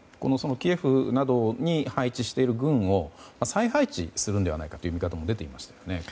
キエフなどに配置している軍を再配置するのではないかという見方も出ていましたよね。